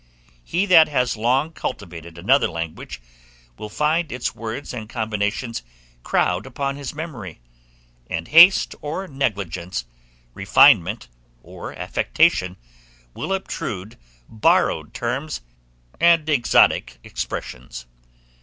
He that has long cultivated another language, will find its words and combinations crowd upon his memory; and haste and negligence, refinement and affectation, will obtrude borrowed terms and exotic expressions.